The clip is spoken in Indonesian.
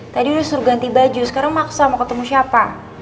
tadi udah suruh ganti baju sekarang maksa mau ketemu siapa